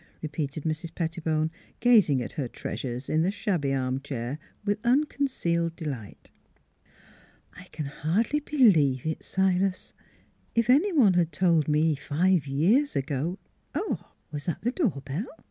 repeated Mrs. Pettibone, gazing at her treasures in the shabby armchair with unconcealed delight. " I can hardly believe it, Silas. ... If any one had told me five years ago Hark! Was that the door bell?